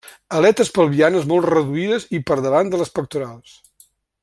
Aletes pelvianes molt reduïdes i per davant de les pectorals.